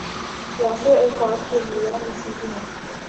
Yasir Arafat کی اہلیہ مسیحی ہیں۔